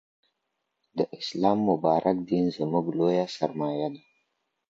د اسلام مبارک دين زموږ لویه سرمایه ده.